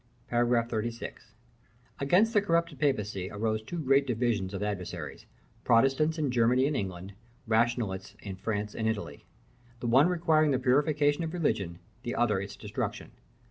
§ XXXVI. Against the corrupted papacy arose two great divisions of adversaries, Protestants in Germany and England, Rationalists in France and Italy; the one requiring the purification of religion, the other its destruction.